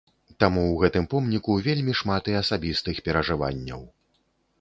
Таму ў гэтым помніку вельмі шмат і асабістых перажыванняў.